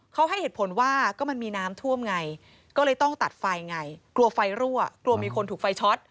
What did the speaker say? เขาให้เหตุผลว่าก็มันมีน้ำท่วมไงก็เลยต้องตัดไฟไงกลัวไฟรั่วกลัวมีคนถูกไฟช็อต